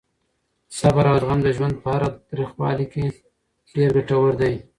صبر او زغم د ژوند په هره تریخوالې کې ډېر ګټور دي.